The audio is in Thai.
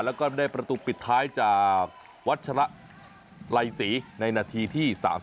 แล้วก็ได้ประตูปิดท้ายจากวัชระไลศรีในนาทีที่๓๒